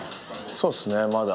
そうっすね、まだ。